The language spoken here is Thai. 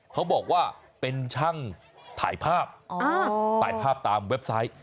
เขาบอกว่าเป็นช่างถ่ายภาพถ่ายภาพตามเว็บไซต์